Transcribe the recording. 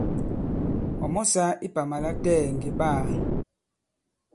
Ɔ̀ mɔ sāā ipàmà latɛɛ̀ ŋgè ɓaā.